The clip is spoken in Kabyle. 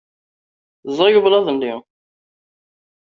Ẓẓay ublaḍ-nni.